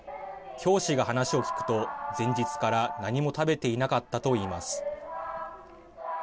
教師が話を聞くと前日から何も食べていなかったと言います。